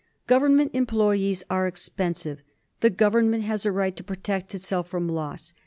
Government employees are expensive. The Govern ment has a right to protect itself from loss.